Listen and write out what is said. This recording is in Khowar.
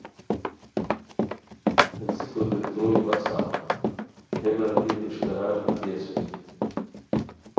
پیڅھیکو تھے تروئے بسہ ہے برارگینی اݰکارار گیتی اسونی